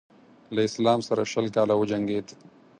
له اسلام سره شل کاله وجنګېد.